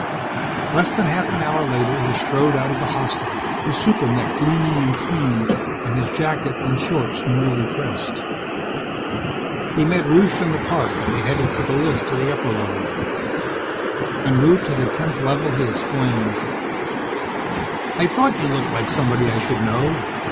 Less than half an hour later he strode out of the hostel, his super mech gleaming and clean and his jacket and shorts newly pressed. He met Rusche in the park and they headed for the lift to the upper level. En route to the 10th Level he explained. "I thought you looked like somebody I should know."